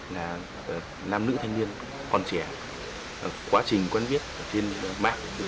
là nam nữ thanh niên con trẻ quá trình quen viết trên mạng